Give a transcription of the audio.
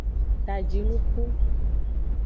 Ta jinuku.